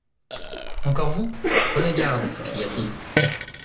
Encore vous ? prenez garde ! s'écria-t-il.